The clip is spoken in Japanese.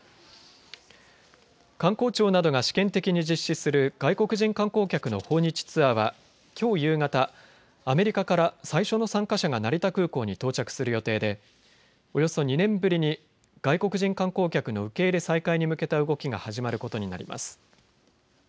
観光庁などが試験的に実施する外国人観光客の訪日ツアーはきょう夕方、アメリカから最初の参加者が成田空港に到着する予定でおよそ２年ぶりに外国人観光客の受け入れ再開に向けた動きが始まることになります。